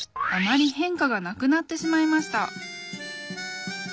あまり変化がなくなってしまいました。